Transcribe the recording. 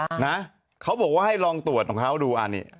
นะเขาบอกว่าให้ลองตรวจของเขาดูอันนี้